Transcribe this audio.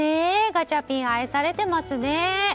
ガチャピン愛されてますね。